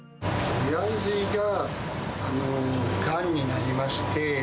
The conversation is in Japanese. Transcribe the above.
おやじが、がんになりまして。